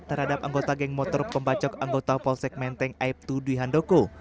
terhadap anggota geng motor pembacok anggota polsek menteng aibtu dwi handoko